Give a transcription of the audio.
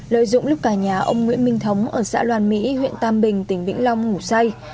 lợi dụng lúc cả nhà ông nguyễn minh thống ở xã loàn mỹ huyện tam bình tỉnh vĩnh long ngủ say